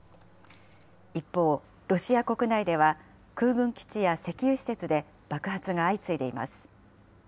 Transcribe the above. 一方、ロシア国内では、空軍基地や石油施設で爆発が相次いでいます。